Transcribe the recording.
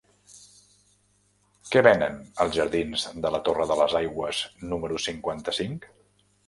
Què venen als jardins de la Torre de les Aigües número cinquanta-cinc?